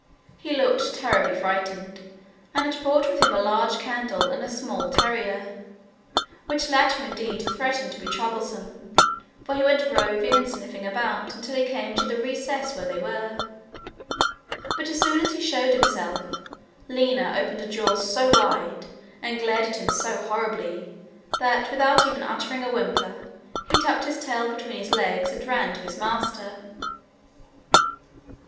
He looked terribly frightened, and had brought with him a large candle and a small terrier which latter indeed threatened to be troublesome, for he went roving and sniffing about until he came to the recess where they were. But as soon as he showed himself, Lina opened her jaws so wide, and glared at him so horribly, that, without even uttering a whimper, he tucked his tail between his legs and ran to his master.